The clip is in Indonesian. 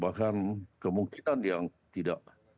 bahkan kemungkinan yang tidak